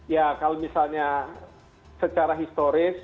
ya kalau misalnya secara historis